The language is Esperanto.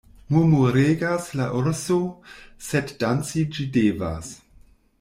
Murmuregas la urso, sed danci ĝi devas.